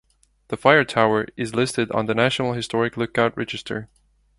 The fire tower is listed on the National Historic Lookout Register.